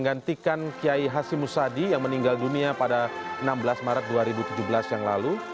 menggantikan kiai hasim musadi yang meninggal dunia pada enam belas maret dua ribu tujuh belas yang lalu